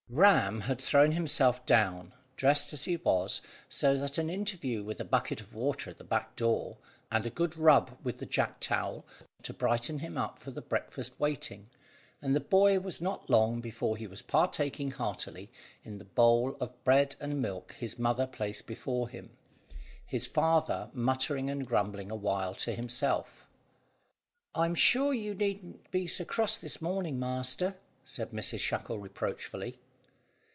Ram had thrown himself down, dressed as he was, so that an interview with a bucket of water at the back door, and a good rub with the jack towel, were sufficient to brighten him up for the breakfast waiting, and the boy was not long before he was partaking heartily of the bowl of bread and milk his mother placed before him, his father muttering and grumbling the while to himself. "I'm sure you needn't be so cross this morning, master," said Mrs Shackle reproachfully.